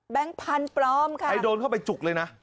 พันธุ์ปลอมค่ะใครโดนเข้าไปจุกเลยนะ